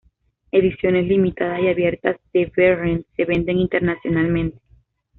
Ediciones limitadas y abiertas de Behrens se venden internacionalmente.